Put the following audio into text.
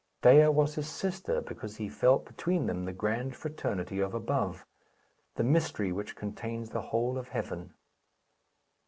Dea was his sister, because he felt between them the grand fraternity of above the mystery which contains the whole of heaven.